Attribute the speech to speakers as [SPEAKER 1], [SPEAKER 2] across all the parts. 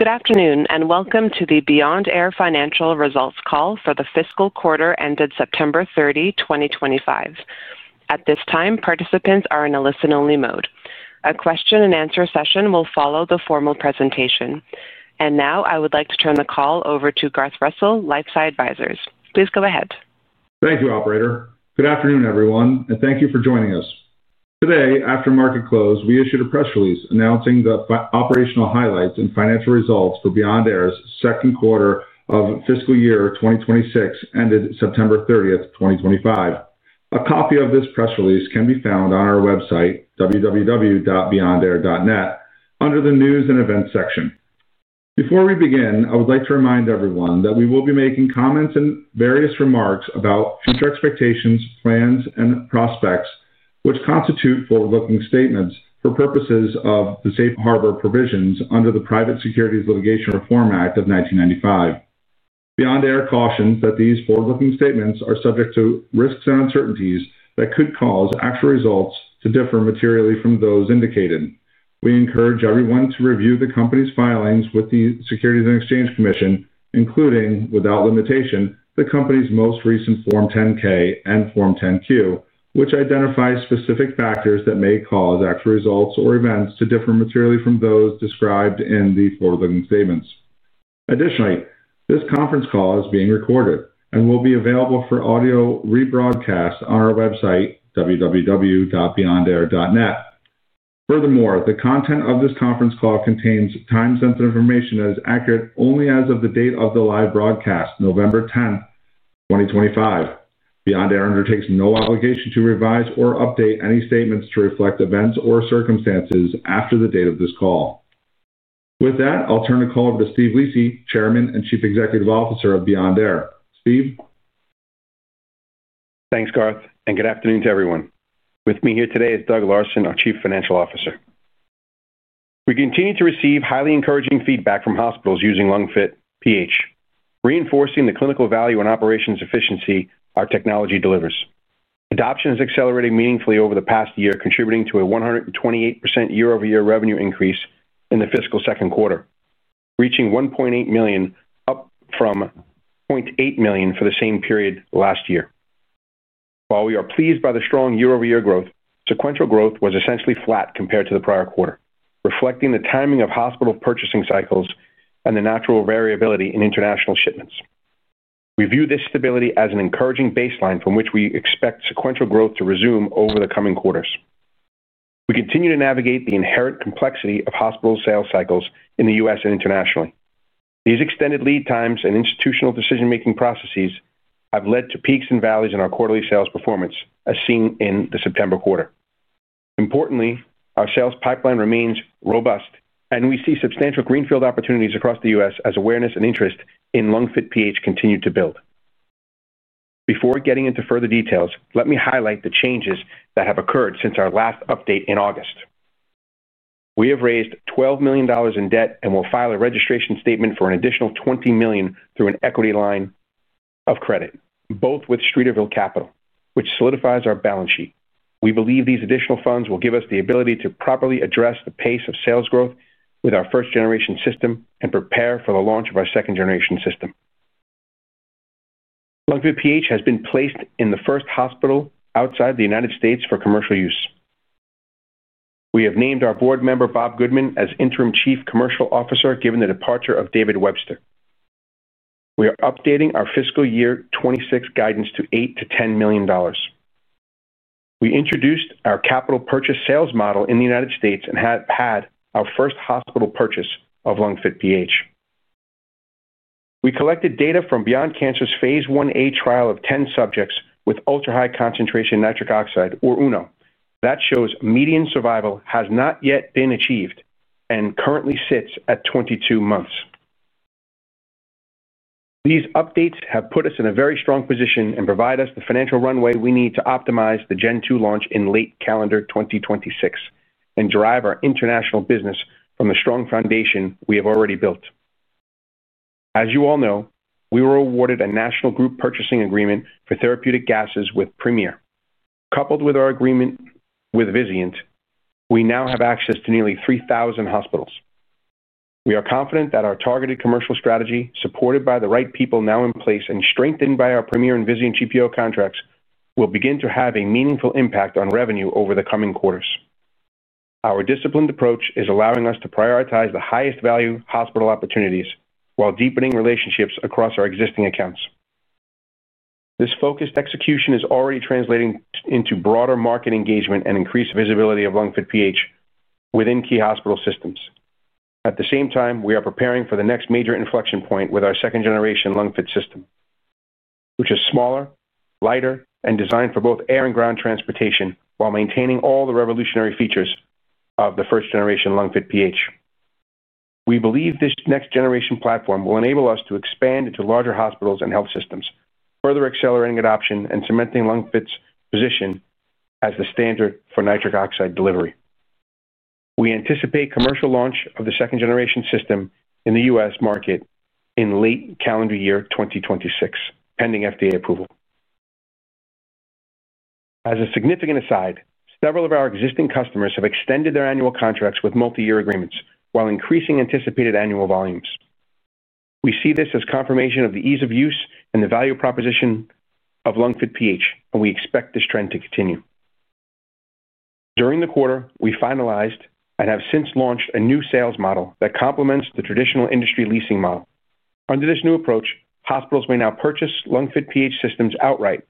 [SPEAKER 1] Good afternoon and welcome to the Beyond Air Financial Results Call for the fiscal quarter ended September 30th, 2025. At this time, participants are in a listen-only mode. A question-and-answer session will follow the formal presentation. I would like to turn the call over to Garth Russell, LifeSci Advisors. Please go ahead.
[SPEAKER 2] Thank you, Operator. Good afternoon, everyone, and thank you for joining us. Today, after market close, we issued a press release announcing the operational highlights and financial results for Beyond Air's second quarter of fiscal year 2026 ended September 30th, 2025. A copy of this press release can be found on our website, www.beyondair.net, under the News and Events section. Before we begin, I would like to remind everyone that we will be making comments and various remarks about future expectations, plans, and prospects, which constitute forward-looking statements for purposes of the safe harbor provisions under the Private Securities Litigation Reform Act of 1995. Beyond Air cautions that these forward-looking statements are subject to risks and uncertainties that could cause actual results to differ materially from those indicated. We encourage everyone to review the company's filings with the Securities and Exchange Commission, including, without limitation, the company's most recent Form 10-K and Form 10-Q, which identify specific factors that may cause actual results or events to differ materially from those described in the forward-looking statements. Additionally, this conference call is being recorded and will be available for audio rebroadcast on our website, www.beyondair.net. Furthermore, the content of this conference call contains time-sensitive information that is accurate only as of the date of the live broadcast, November 10th, 2025. Beyond Air undertakes no obligation to revise or update any statements to reflect events or circumstances after the date of this call. With that, I'll turn the call over to Steve Lisi, Chairman and Chief Executive Officer of Beyond Air. Steve?
[SPEAKER 3] Thanks, Garth, and good afternoon to everyone. With me here today is Doug Larson, our Chief Financial Officer. We continue to receive highly encouraging feedback from hospitals using LungFit PH, reinforcing the clinical value and operations efficiency our technology delivers. Adoption has accelerated meaningfully over the past year, contributing to a 128% year-over-year revenue increase in the fiscal second quarter, reaching $1.8 million, up from $0.8 million for the same period last year. While we are pleased by the strong year-over-year growth, sequential growth was essentially flat compared to the prior quarter, reflecting the timing of hospital purchasing cycles and the natural variability in international shipments. We view this stability as an encouraging baseline from which we expect sequential growth to resume over the coming quarters. We continue to navigate the inherent complexity of hospital sales cycles in the U.S. and internationally. These extended lead times and institutional decision-making processes have led to peaks and valleys in our quarterly sales performance, as seen in the September quarter. Importantly, our sales pipeline remains robust, and we see substantial greenfield opportunities across the U.S. as awareness and interest in LungFit PH continue to build. Before getting into further details, let me highlight the changes that have occurred since our last update in August. We have raised $12 million in debt and will file a registration statement for an additional $20 million through an equity line of credit, both with Streeterville Capital, which solidifies our balance sheet. We believe these additional funds will give us the ability to properly address the pace of sales growth with our first-generation system and prepare for the launch of our second-generation system. LungFit PH has been placed in the first hospital outside the United States for commercial use. We have named our board member, Bob Goodman, as interim Chief Commercial Officer given the departure of David Webster. We are updating our fiscal year 2026 guidance to $8-$10 million. We introduced our capital purchase sales model in the United States and had our first hospital purchase of LungFit PH. We collected data from Beyond Cancer's phase I-A trial of 10 subjects with ultra-high concentration nitric oxide, or UNO. That shows median survival has not yet been achieved and currently sits at 22 months. These updates have put us in a very strong position and provide us the financial runway we need to optimize the Gen 2 launch in late calendar 2026 and drive our international business from the strong foundation we have already built. As you all know, we were awarded a national group purchasing agreement for therapeutic gases with Premier. Coupled with our agreement with Vizient, we now have access to nearly 3,000 hospitals. We are confident that our targeted commercial strategy, supported by the right people now in place and strengthened by our Premier and Vizient GPO contracts, will begin to have a meaningful impact on revenue over the coming quarters. Our disciplined approach is allowing us to prioritize the highest-value hospital opportunities while deepening relationships across our existing accounts. This focused execution is already translating into broader market engagement and increased visibility of LungFit PH within key hospital systems. At the same time, we are preparing for the next major inflection point with our second-generation LungFit system, which is smaller, lighter, and designed for both air and ground transportation while maintaining all the revolutionary features of the first-generation LungFit PH. We believe this next-generation platform will enable us to expand into larger hospitals and health systems, further accelerating adoption and cementing LungFit's position as the standard for nitric oxide delivery. We anticipate commercial launch of the second-generation system in the U.S. market in late calendar year 2026, pending FDA approval. As a significant aside, several of our existing customers have extended their annual contracts with multi-year agreements while increasing anticipated annual volumes. We see this as confirmation of the ease of use and the value proposition of LungFit PH, and we expect this trend to continue. During the quarter, we finalized and have since launched a new sales model that complements the traditional industry leasing model. Under this new approach, hospitals may now purchase LungFit PH systems outright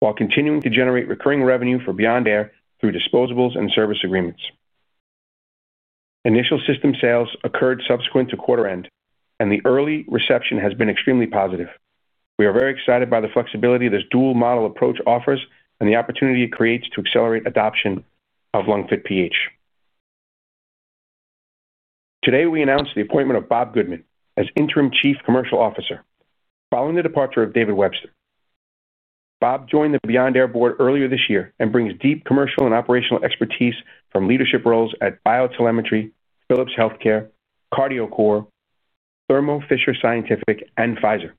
[SPEAKER 3] while continuing to generate recurring revenue for Beyond Air through disposables and service agreements. Initial system sales occurred subsequent to quarter-end, and the early reception has been extremely positive. We are very excited by the flexibility this dual-model approach offers and the opportunity it creates to accelerate adoption of LungFit PH. Today, we announced the appointment of Bob Goodman as interim Chief Commercial Officer following the departure of David Webster. Bob joined the Beyond Air board earlier this year and brings deep commercial and operational expertise from leadership roles at Biotelemetry, Philips Healthcare, Cardiocore, Thermo Fisher Scientific, and Pfizer.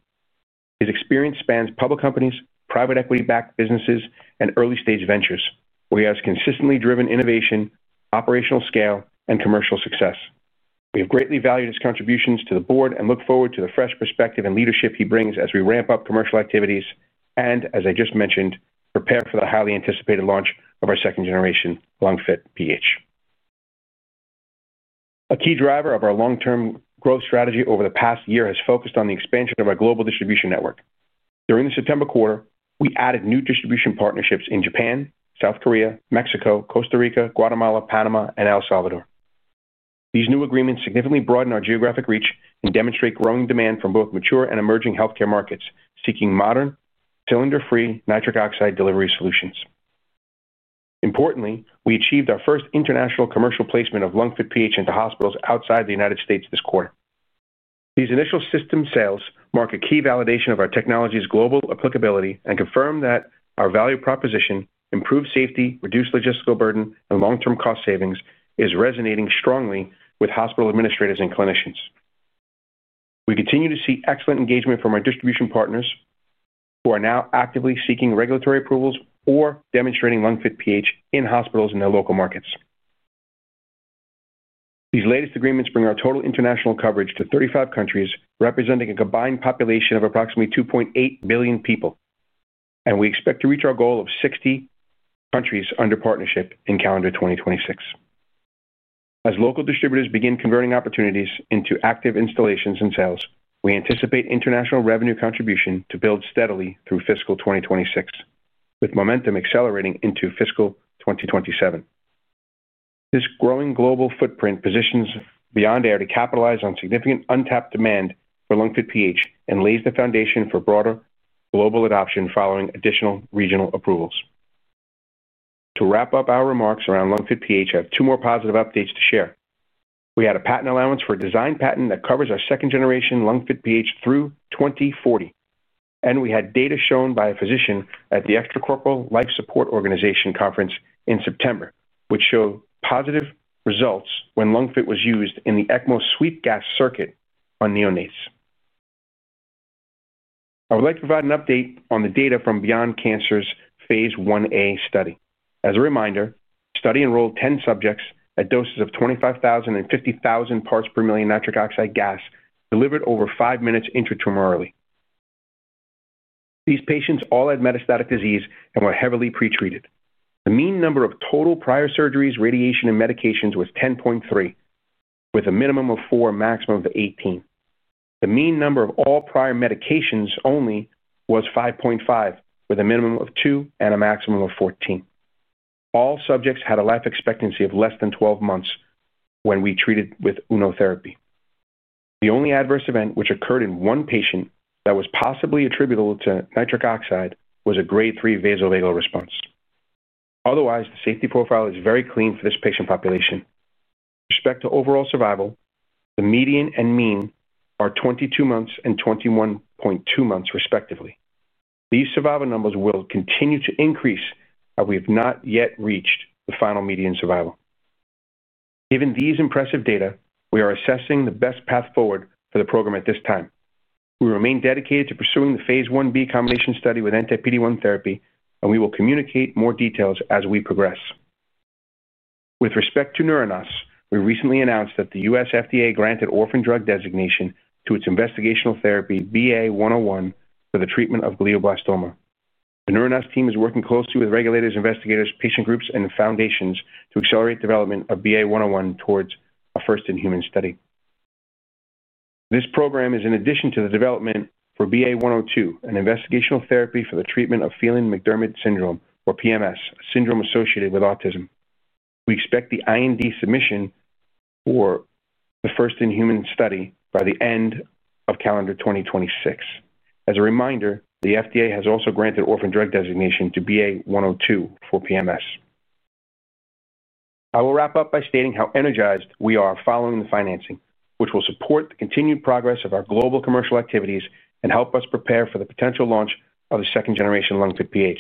[SPEAKER 3] His experience spans public companies, private equity-backed businesses, and early-stage ventures, where he has consistently driven innovation, operational scale, and commercial success. We have greatly valued his contributions to the board and look forward to the fresh perspective and leadership he brings as we ramp up commercial activities and, as I just mentioned, prepare for the highly anticipated launch of our second-generation LungFit PH. A key driver of our long-term growth strategy over the past year has focused on the expansion of our global distribution network. During the September quarter, we added new distribution partnerships in Japan, South Korea, Mexico, Costa Rica, Guatemala, Panama, and El Salvador. These new agreements significantly broaden our geographic reach and demonstrate growing demand from both mature and emerging healthcare markets seeking modern, cylinder-free nitric oxide delivery solutions. Importantly, we achieved our first international commercial placement of LungFit PH into hospitals outside the United States this quarter. These initial system sales mark a key validation of our technology's global applicability and confirm that our value proposition—improved safety, reduced logistical burden, and long-term cost savings—is resonating strongly with hospital administrators and clinicians. We continue to see excellent engagement from our distribution partners, who are now actively seeking regulatory approvals or demonstrating LungFit PH in hospitals in their local markets. These latest agreements bring our total international coverage to 35 countries, representing a combined population of approximately 2.8 billion people, and we expect to reach our goal of 60 countries under partnership in calendar 2026. As local distributors begin converting opportunities into active installations and sales, we anticipate international revenue contribution to build steadily through fiscal 2026, with momentum accelerating into fiscal 2027. This growing global footprint positions Beyond Air to capitalize on significant untapped demand for LungFit PH and lays the foundation for broader global adoption following additional regional approvals. To wrap up our remarks around LungFit PH, I have two more positive updates to share. We had a patent allowance for a design patent that covers our second-generation LungFit PH through 2040, and we had data shown by a physician at the Extracorporeal Life Support Organization conference in September, which showed positive results when LungFit was used in the ECMO sweet gas circuit on neonates. I would like to provide an update on the data from Beyond Cancer's phase I-A study. As a reminder, the study enrolled 10 subjects at doses of 25,000 and 50,000 parts per million nitric oxide gas, delivered over five minutes intratumorally. These patients all had metastatic disease and were heavily pretreated. The mean number of total prior surgeries, radiation, and medications was 10.3, with a minimum of 4, maximum of 18. The mean number of all prior medications only was 5.5, with a minimum of 2 and a maximum of 14. All subjects had a life expectancy of less than 12 months when we treated with UNO therapy. The only adverse event which occurred in one patient that was possibly attributable to nitric oxide was a grade 3 vasovagal response. Otherwise, the safety profile is very clean for this patient population. With respect to overall survival, the median and mean are 22 months and 21.2 months, respectively. These survival numbers will continue to increase, but we have not yet reached the final median survival. Given these impressive data, we are assessing the best path forward for the program at this time. We remain dedicated to pursuing the phase I-B combination study with anti-PD-1 therapy, and we will communicate more details as we progress. With respect to Neuronas, we recently announced that the U.S. FDA granted orphan drug designation to its investigational therapy, BA-101, for the treatment of glioblastoma. The Neuronas team is working closely with regulators, investigators, patient groups, and foundations to accelerate development of BA-101 towards a first-in-human study. This program is in addition to the development for BA-102, an investigational therapy for the treatment of Phelan-McDermid Syndrome, or PMS, a syndrome associated with autism. We expect the IND submission for the first-in-human study by the end of calendar 2026. As a reminder, the FDA has also granted orphan drug designation to BA-102 for PMS. I will wrap up by stating how energized we are following the financing, which will support the continued progress of our global commercial activities and help us prepare for the potential launch of the second-generation LungFit PH.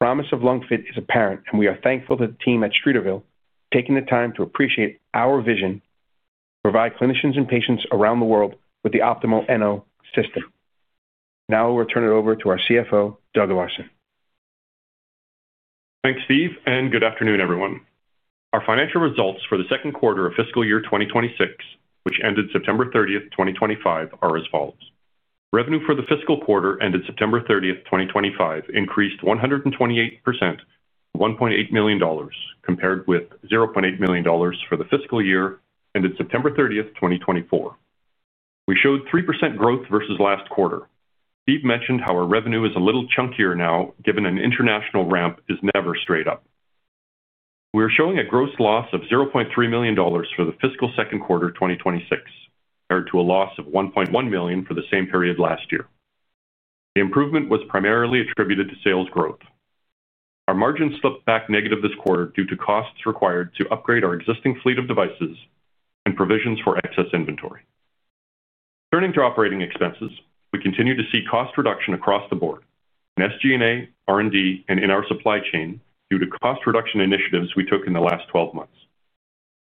[SPEAKER 3] The promise of LungFit is apparent, and we are thankful to the team at Streeterville for taking the time to appreciate our vision to provide clinicians and patients around the world with the optimal NO system. Now, I will turn it over to our CFO, Doug Larson.
[SPEAKER 4] Thanks, Steve, and good afternoon, everyone. Our financial results for the second quarter of fiscal year 2026, which ended September 30th, 2025, are as follows. Revenue for the fiscal quarter ended September 30th, 2025, increased 128% to $1.8 million, compared with $0.8 million for the fiscal year ended September 30th, 2024. We showed 3% growth versus last quarter. Steve mentioned how our revenue is a little chunkier now, given an international ramp is never straight up. We are showing a gross loss of $0.3 million for the fiscal second quarter 2026, compared to a loss of $1.1 million for the same period last year. The improvement was primarily attributed to sales growth. Our margins slipped back negative this quarter due to costs required to upgrade our existing fleet of devices and provisions for excess inventory. Turning to operating expenses, we continue to see cost reduction across the board, in SG&A, R&D, and in our supply chain due to cost reduction initiatives we took in the last 12 months.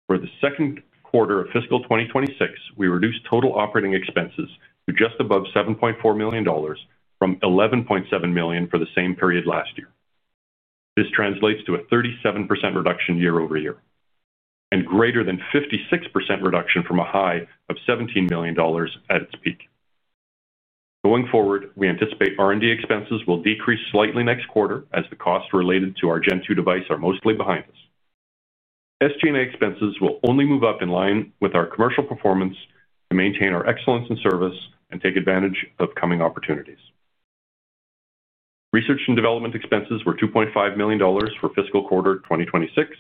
[SPEAKER 4] For the second quarter of fiscal 2026, we reduced total operating expenses to just above $7.4 million from $11.7 million for the same period last year. This translates to a 37% reduction year over year and greater than 56% reduction from a high of $17 million at its peak. Going forward, we anticipate R&D expenses will decrease slightly next quarter as the costs related to our Gen 2 device are mostly behind us. SG&A expenses will only move up in line with our commercial performance to maintain our excellence in service and take advantage of coming opportunities. Research and development expenses were $2.5 million for fiscal quarter 2026,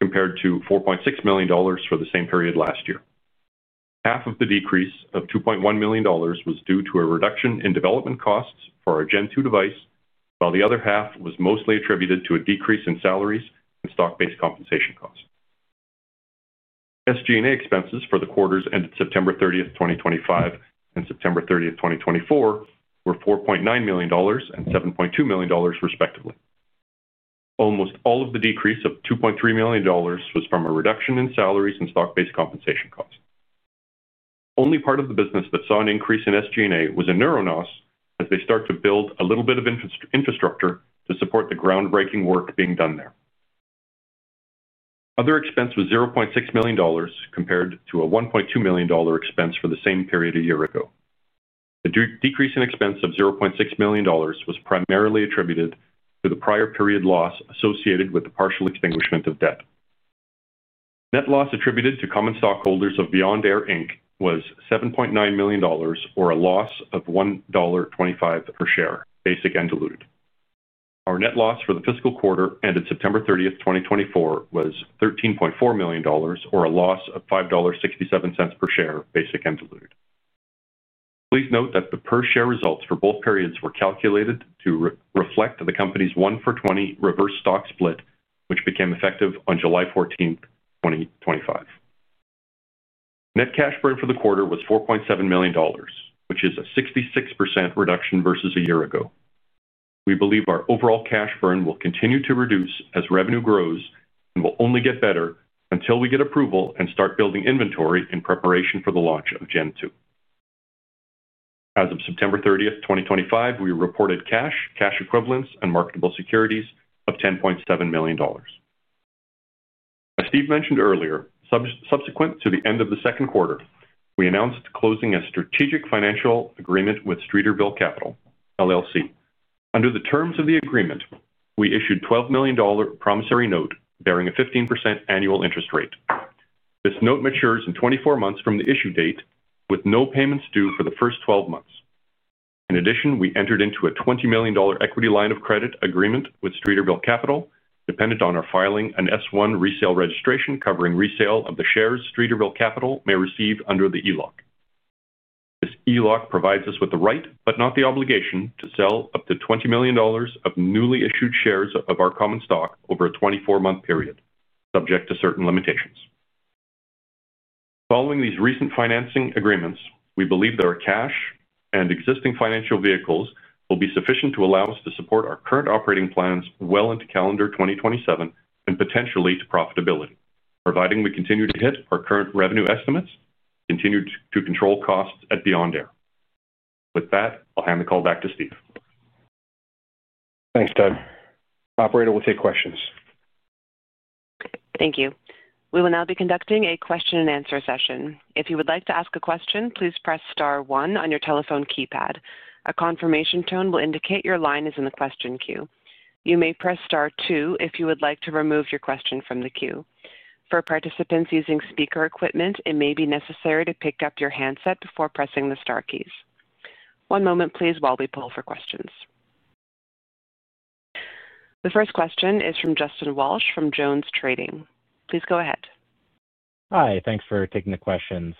[SPEAKER 4] compared to $4.6 million for the same period last year. Half of the decrease of $2.1 million was due to a reduction in development costs for our Gen 2 device, while the other half was mostly attributed to a decrease in salaries and stock-based compensation costs. SG&A expenses for the quarters ended September 30, 2025, and September 30, 2024, were $4.9 million and $7.2 million, respectively. Almost all of the decrease of $2.3 million was from a reduction in salaries and stock-based compensation costs. Only part of the business that saw an increase in SG&A was in Neuronas, as they start to build a little bit of infrastructure to support the groundbreaking work being done there. Other expense was $0.6 million, compared to a $1.2 million expense for the same period a year ago. The decrease in expense of $0.6 million was primarily attributed to the prior period loss associated with the partial extinguishment of debt. Net loss attributed to common stockholders of Beyond Air was $7.9 million, or a loss of $1.25 per share, basic and diluted. Our net loss for the fiscal quarter ended September 30th, 2024, was $13.4 million, or a loss of $5.67 per share, basic and diluted. Please note that the per-share results for both periods were calculated to reflect the company's 1 for 20 reverse stock split, which became effective on July 14th, 2025. Net cash burn for the quarter was $4.7 million, which is a 66% reduction versus a year ago. We believe our overall cash burn will continue to reduce as revenue grows and will only get better until we get approval and start building inventory in preparation for the launch of Gen 2. As of September 30th, 2025, we reported cash, cash equivalents, and marketable securities of $10.7 million. As Steve mentioned earlier, subsequent to the end of the second quarter, we announced closing a strategic financial agreement with Streeterville Capital. Under the terms of the agreement, we issued a $12 million promissory note bearing a 15% annual interest rate. This note matures in 24 months from the issue date, with no payments due for the first 12 months. In addition, we entered into a $20 million equity line of credit agreement with Streeterville Capital, dependent on our filing an S1 resale registration covering resale of the shares Streeterville Capital may receive under the ELOC. This ELOC provides us with the right, but not the obligation, to sell up to $20 million of newly issued shares of our common stock over a 24-month period, subject to certain limitations. Following these recent financing agreements, we believe that our cash and existing financial vehicles will be sufficient to allow us to support our current operating plans well into calendar 2027 and potentially to profitability, providing we continue to hit our current revenue estimates and continue to control costs at Beyond Air. With that, I'll hand the call back to Steve.
[SPEAKER 3] Thanks, Doug. Operator will take questions.
[SPEAKER 1] Okay. Thank you. We will now be conducting a question-and-answer session. If you would like to ask a question, please press star one on your telephone keypad. A confirmation tone will indicate your line is in the question queue. You may press star two if you would like to remove your question from the queue. For participants using speaker equipment, it may be necessary to pick up your handset before pressing the star keys. One moment, please, while we pull for questions. The first question is from Justin Walsh from JonesTrading. Please go ahead.
[SPEAKER 5] Hi. Thanks for taking the questions.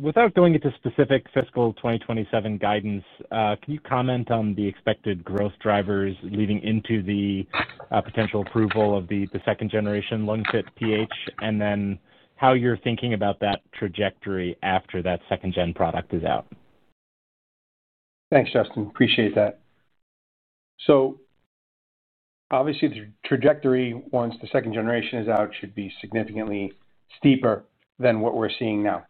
[SPEAKER 5] Without going into specific fiscal 2027 guidance, can you comment on the expected growth drivers leading into the potential approval of the second-generation LungFit PH, and then how you're thinking about that trajectory after that second-gen product is out?
[SPEAKER 3] Thanks, Justin. Appreciate that. Obviously, the trajectory once the second generation is out should be significantly steeper than what we're seeing now.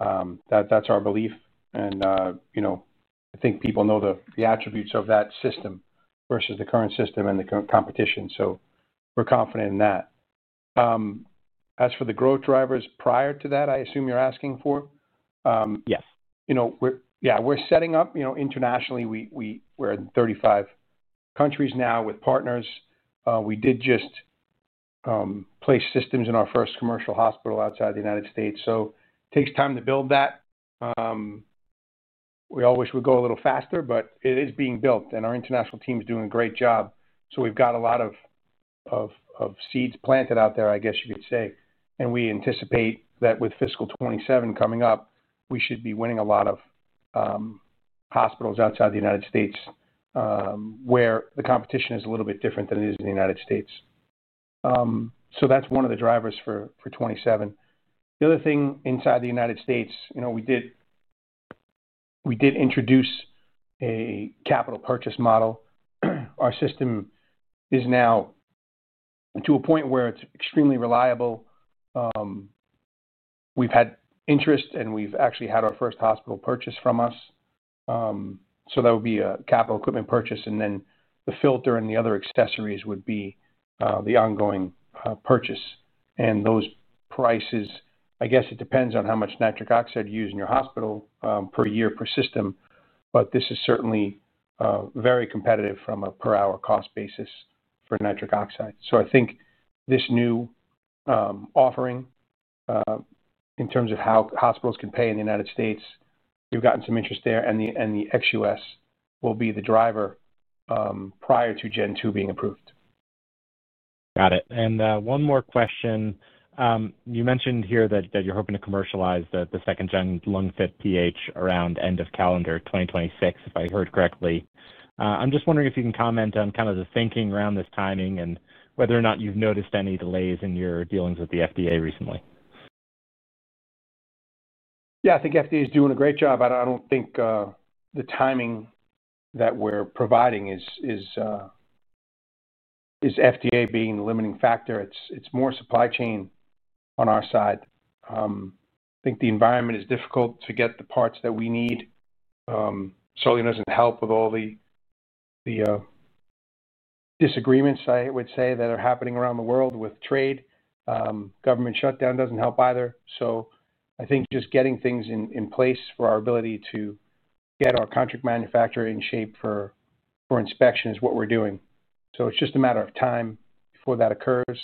[SPEAKER 3] That's our belief. I think people know the attributes of that system versus the current system and the current competition, so we're confident in that. As for the growth drivers prior to that, I assume you're asking for?
[SPEAKER 5] Yes.
[SPEAKER 3] Yeah. We're setting up internationally. We're in 35 countries now with partners. We did just place systems in our first commercial hospital outside the U.S. It takes time to build that. We always would go a little faster, but it is being built, and our international team is doing a great job. We've got a lot of seeds planted out there, I guess you could say. We anticipate that with fiscal 2027 coming up, we should be winning a lot of hospitals outside the United States where the competition is a little bit different than it is in the United States. That is one of the drivers for 2027. The other thing inside the United States, we did introduce a capital purchase model. Our system is now to a point where it is extremely reliable. We have had interest, and we have actually had our first hospital purchase from us. That would be a capital equipment purchase, and then the filter and the other accessories would be the ongoing purchase. Those prices, I guess it depends on how much nitric oxide you use in your hospital per year per system, but this is certainly very competitive from a per-hour cost basis for nitric oxide. I think this new offering in terms of how hospitals can pay in the United States, we've gotten some interest there, and the XUS will be the driver prior to Gen 2 being approved.
[SPEAKER 5] Got it. One more question. You mentioned here that you're hoping to commercialize the second-gen LungFit PH around end of calendar 2026, if I heard correctly. I'm just wondering if you can comment on kind of the thinking around this timing and whether or not you've noticed any delays in your dealings with the FDA recently.
[SPEAKER 3] Yeah. I think FDA is doing a great job. I don't think the timing that we're providing is FDA being the limiting factor. It's more supply chain on our side. I think the environment is difficult to get the parts that we need. Sodium doesn't help with all the disagreements, I would say, that are happening around the world with trade. Government shutdown doesn't help either. I think just getting things in place for our ability to get our contract manufacturer in shape for inspection is what we're doing. It's just a matter of time before that occurs.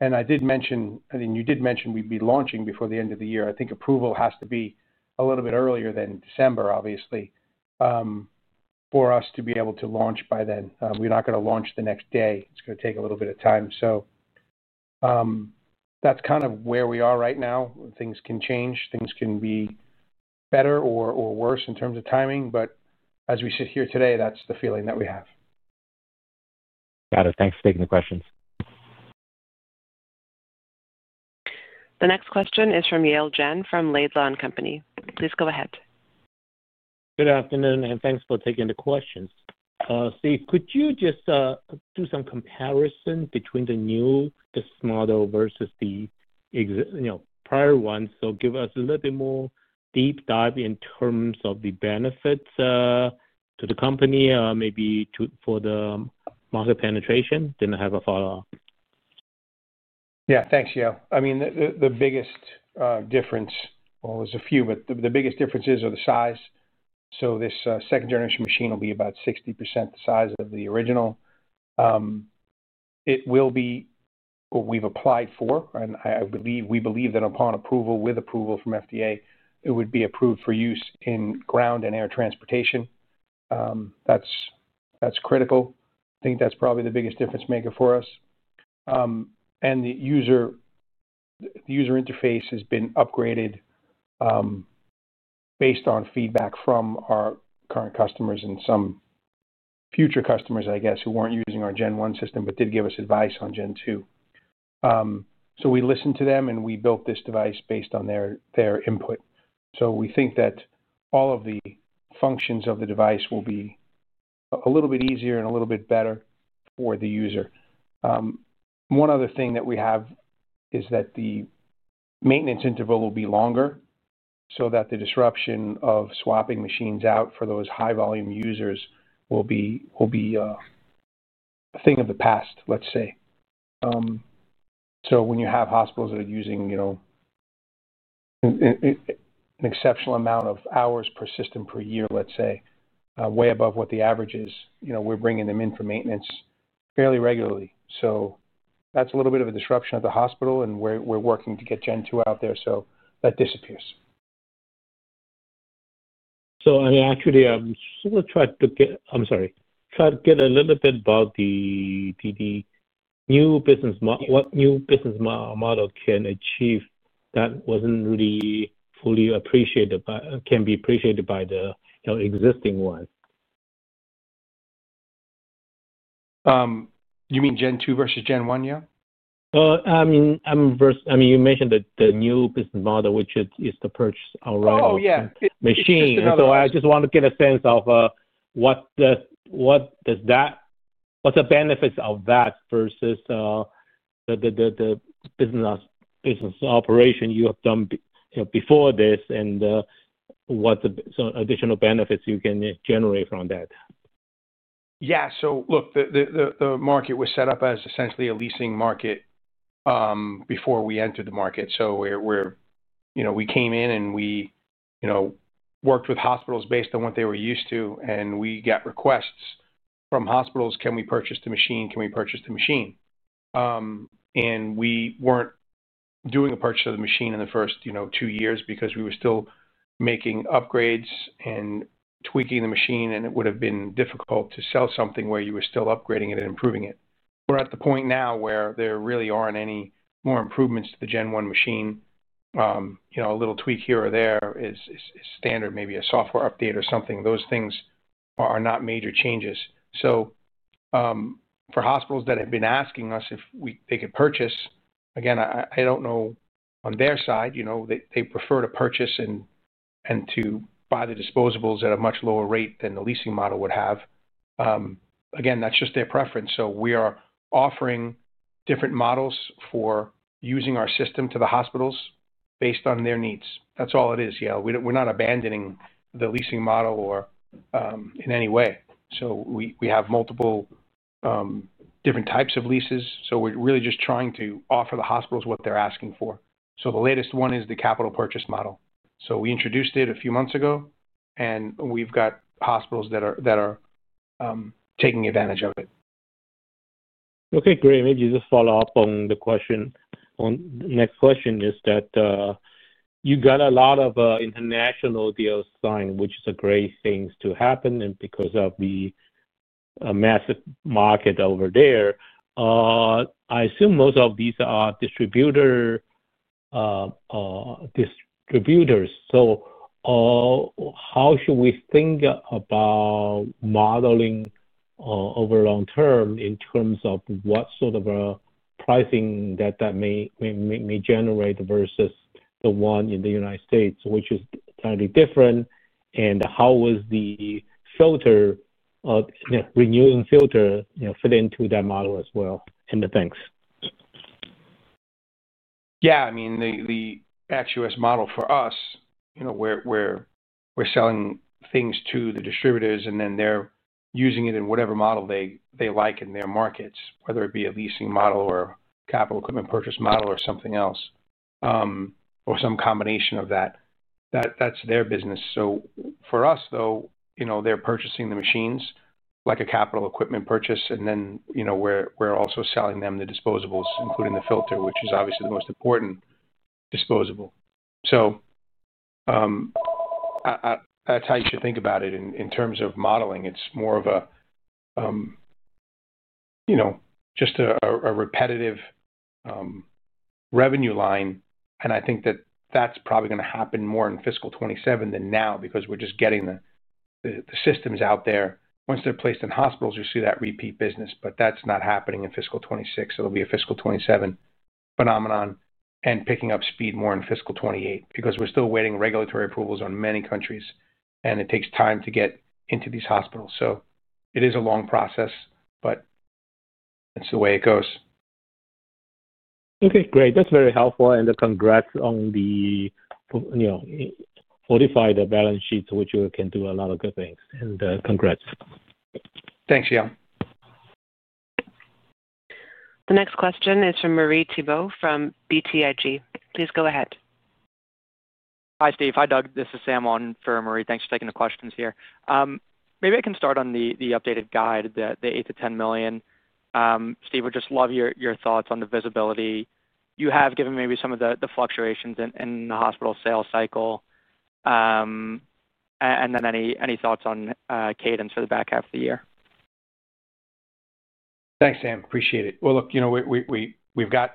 [SPEAKER 3] I did mention, I mean, you did mention we'd be launching before the end of the year. I think approval has to be a little bit earlier than December, obviously, for us to be able to launch by then. We're not going to launch the next day. It's going to take a little bit of time. That's kind of where we are right now. Things can change. Things can be better or worse in terms of timing. As we sit here today, that's the feeling that we have.
[SPEAKER 5] Got it. Thanks for taking the questions.
[SPEAKER 1] The next question is from Yale Jen from Laidlaw & Company. Please go ahead.
[SPEAKER 6] Good afternoon, and thanks for taking the questions. Steve, could you just do some comparison between the new, this model versus the prior ones? Give us a little bit more deep dive in terms of the benefits to the company, maybe for the market penetration. I have a follow-up.
[SPEAKER 3] Yeah. Thanks, Yale. I mean, the biggest difference, well, there are a few, but the biggest differences are the size. This second-generation machine will be about 60% the size of the original. It will be what we've applied for. I believe we believe that upon approval, with approval from FDA, it would be approved for use in ground and air transportation. That's critical. I think that's probably the biggest difference maker for us. The user interface has been upgraded based on feedback from our current customers and some future customers, I guess, who were not using our Gen 1 system but did give us advice on Gen 2. We listened to them, and we built this device based on their input. We think that all of the functions of the device will be a little bit easier and a little bit better for the user. One other thing that we have is that the maintenance interval will be longer so that the disruption of swapping machines out for those high-volume users will be a thing of the past, let's say. When you have hospitals that are using an exceptional amount of hours per system per year, let's say, way above what the average is, we are bringing them in for maintenance fairly regularly. That's a little bit of a disruption at the hospital, and we're working to get Gen 2 out there, so that disappears.
[SPEAKER 6] I mean, actually, I'm just going to try to get—I'm sorry. Try to get a little bit about the new business model. What new business model can achieve that wasn't really fully appreciated, can be appreciated by the existing ones?
[SPEAKER 3] You mean Gen 2 versus Gen 1, Yale?
[SPEAKER 6] I mean, you mentioned the new business model, which is to purchase our own machine. I just want to get a sense of what does that—what's the benefits of that versus the business operation you have done before this and what additional benefits you can generate from that?
[SPEAKER 3] Yeah. Look, the market was set up as essentially a leasing market before we entered the market. We came in, and we worked with hospitals based on what they were used to. We got requests from hospitals, "Can we purchase the machine? Can we purchase the machine?" We were not doing a purchase of the machine in the first two years because we were still making upgrades and tweaking the machine, and it would have been difficult to sell something where you were still upgrading it and improving it. We are at the point now where there really are not any more improvements to the Gen 1 machine. A little tweak here or there is standard, maybe a software update or something. Those things are not major changes. For hospitals that have been asking us if they could purchase, again, I do not know on their side. They prefer to purchase and to buy the disposables at a much lower rate than the leasing model would have. Again, that's just their preference. We are offering different models for using our system to the hospitals based on their needs. That's all it is, Yale. We're not abandoning the leasing model in any way. We have multiple different types of leases. We're really just trying to offer the hospitals what they're asking for. The latest one is the capital purchase model. We introduced it a few months ago, and we've got hospitals that are taking advantage of it.
[SPEAKER 6] Okay. Great. Maybe just follow up on the question. The next question is that you got a lot of international deals signed, which is a great thing to happen because of the massive market over there. I assume most of these are distributors. How should we think about modeling over the long term in terms of what sort of pricing that may generate versus the one in the United States, which is slightly different? How does the filter, renewing filter, fit into that model as well? Thanks.
[SPEAKER 3] Yeah. I mean, the ex-U.S. model for us, we're selling things to the distributors, and then they're using it in whatever model they like in their markets, whether it be a leasing model or capital equipment purchase model or something else or some combination of that. That's their business. For us, though, they're purchasing the machines like a capital equipment purchase, and then we're also selling them the disposables, including the filter, which is obviously the most important disposable. That's how you should think about it. In terms of modeling, it's more of just a repetitive revenue line. I think that that's probably going to happen more in fiscal 2027 than now because we're just getting the systems out there. Once they're placed in hospitals, you see that repeat business, but that's not happening in fiscal 2026. It'll be a fiscal 2027 phenomenon and picking up speed more in fiscal 2028 because we're still waiting regulatory approvals on many countries, and it takes time to get into these hospitals. It is a long process, but that's the way it goes.
[SPEAKER 6] Okay. Great. That's very helpful. Congrats on the fortified balance sheet, which can do a lot of good things. Congrats.
[SPEAKER 3] Thanks, Yale.
[SPEAKER 1] The next question is from Marie Thibault from BTIG. Please go ahead.
[SPEAKER 7] Hi, Steve. Hi, Doug. This is Sam Ong for Marie. Thanks for taking the questions here. Maybe I can start on the updated guide, the $8 million-$10 million. Steve, I'd just love your thoughts on the visibility. You have given maybe some of the fluctuations in the hospital sales cycle. Any thoughts on cadence for the back half of the year?
[SPEAKER 3] Thanks, Sam. Appreciate it. Look, we've got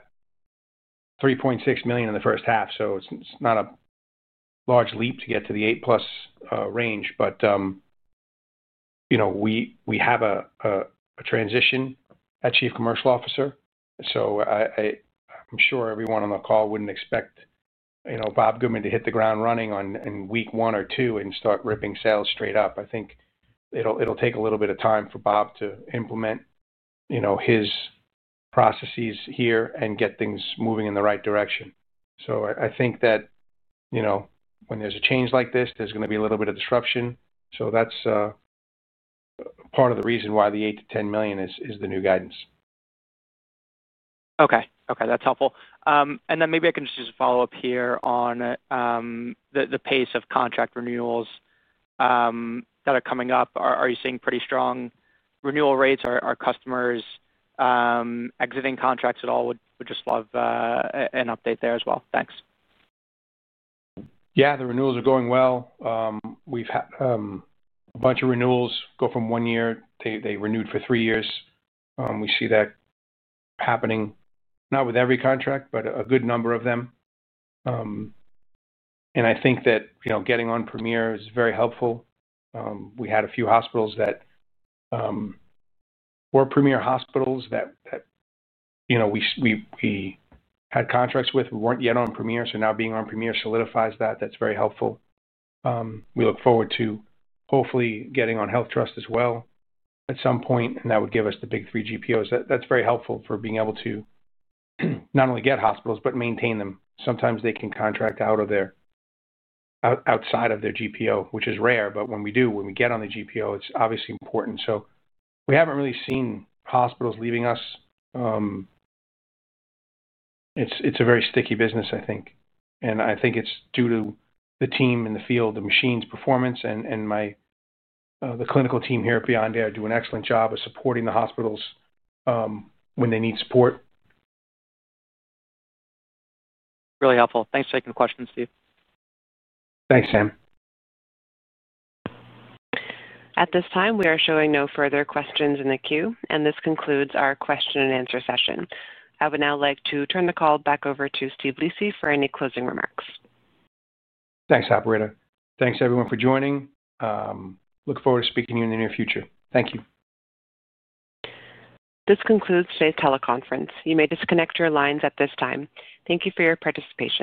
[SPEAKER 3] $3.6 million in the first half, so it's not a large leap to get to the $8 million-plus range, but we have a transition at Chief Commercial Officer. I'm sure everyone on the call would not expect Bob Goodman to hit the ground running in week one or two and start ripping sales straight up. I think it'll take a little bit of time for Bob to implement his processes here and get things moving in the right direction. I think that when there's a change like this, there's going to be a little bit of disruption. That's part of the reason why the $8 million-$10 million is the new guidance.
[SPEAKER 7] Okay. Okay. That's helpful. Maybe I can just follow up here on the pace of contract renewals that are coming up. Are you seeing pretty strong renewal rates? Are customers exiting contracts at all? Would just love an update there as well. Thanks.
[SPEAKER 3] Yeah. The renewals are going well. We've had a bunch of renewals go from one year. They renewed for three years. We see that happening, not with every contract, but a good number of them. I think that getting on Premier is very helpful. We had a few hospitals that were Premier hospitals that we had contracts with. We were not yet on Premier, so now being on Premier solidifies that. That's very helpful. We look forward to hopefully getting on HealthTrust as well at some point, and that would give us the big three GPOs. That's very helpful for being able to not only get hospitals but maintain them. Sometimes they can contract outside of their GPO, which is rare, but when we do, when we get on the GPO, it's obviously important. We haven't really seen hospitals leaving us. It's a very sticky business, I think. I think it's due to the team in the field, the machines' performance, and the clinical team here at Beyond Air do an excellent job of supporting the hospitals when they need support.
[SPEAKER 7] Really helpful. Thanks for taking the questions, Steve.
[SPEAKER 3] Thanks, Sam.
[SPEAKER 1] At this time, we are showing no further questions in the queue, and this concludes our question-and-answer session. I would now like to turn the call back over to Steve Lisi for any closing remarks.
[SPEAKER 3] Thanks, operator. Thanks, everyone, for joining. Look forward to speaking to you in the near future. Thank you.
[SPEAKER 1] This concludes today's teleconference. You may disconnect your lines at this time. Thank you for your participation.